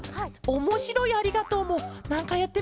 おもしろい「ありがとう」は。